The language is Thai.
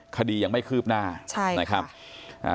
คดียังไม่คืบหน้านะครับใช่ค่ะ